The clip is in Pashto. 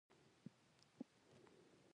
هندوکش د ځوانانو لپاره ډېره دلچسپي لري.